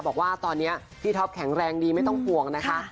บอกว่าตอนนี้พี่ท็อปแข็งแรงดีไม่ต้องห่วงนะคะ